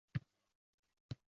Buving bilan ket, oʻgʻlim…